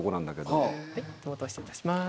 はい手元失礼いたします。